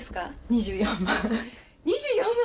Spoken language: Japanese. ２４万。